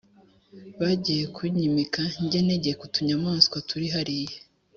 bajyiye kunyimika, njye ntegeka utunyamaswa turi hariya